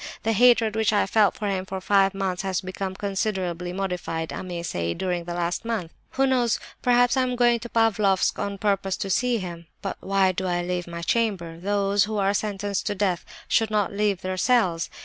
The hatred which I felt for him for five months has become considerably modified, I may say, during the last month. Who knows, perhaps I am going to Pavlofsk on purpose to see him! But why do I leave my chamber? Those who are sentenced to death should not leave their cells.